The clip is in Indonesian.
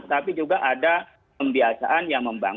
tapi juga ada